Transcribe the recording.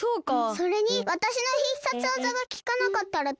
それにわたしの必殺技がきかなかったらどうするの？